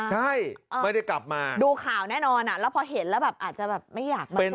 ใช่ไม่ได้กลับมาดูข่าวแน่นอนแล้วพอเห็นแล้วแบบอาจจะแบบไม่อยากมา